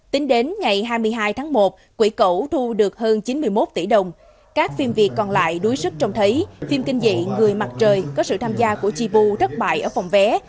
tính đến ngày hai mươi hai tháng một quỹ cẩu thu được hơn chín mươi một tỷ đồng các phim việt còn lại đuối sức trong thấy phim kinh dị người mặt trời có sự tham gia của chipu thất bại ở phòng vé